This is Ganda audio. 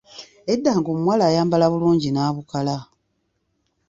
Edda ng'omuwala ayambala bulungi nabukala.